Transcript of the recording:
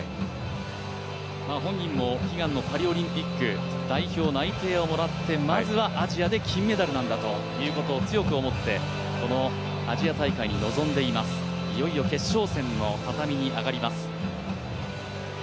本人も悲願のパリオリンピック、代表内定をもらってまずはアジアで金メダルなんだということを強く思ってこのアジア大会に臨んでいます、いよいよ決勝戦の畳に上がります。